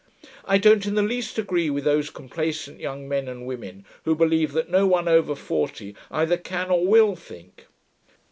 I don't in the least agree with those complacent young men and women who believe that no one over forty either can or will think.